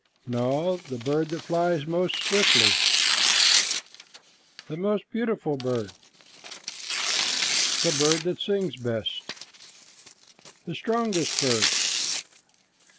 "No, the bird that flies most swiftly." "The most beautiful bird." "The bird that sings best." "The strongest bird."